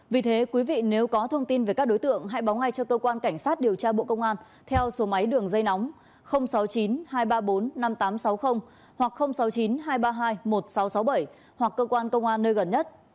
vì thế quý vị nếu có thông tin về các đối tượng hãy báo ngay cho cơ quan cảnh sát điều tra bộ công an theo số máy đường dây nóng sáu mươi chín hai trăm ba mươi bốn năm nghìn tám trăm sáu mươi hoặc sáu mươi chín hai trăm ba mươi hai một nghìn sáu trăm sáu mươi bảy hoặc cơ quan công an nơi gần nhất